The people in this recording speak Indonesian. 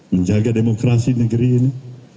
menjaga demokrasi negeri ini